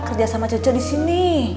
kerja sama cece disini